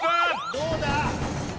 どうだ？